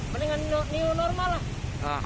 bandingkan new normal lah